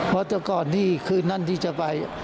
เพราะแต่ก่อนที่คืนนั้นที่จะไป